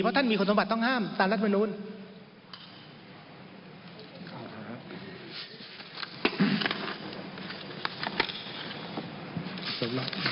เพราะท่านมีคุณสมบัติต้องห้ามตามรัฐมนูล